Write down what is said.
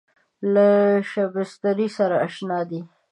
له شبستري سره اشنا دی.